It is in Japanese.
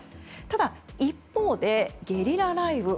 ただ、一方でゲリラ雷雨。